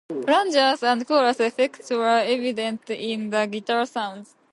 Flangers and chorus effects were evident in the guitar sounds.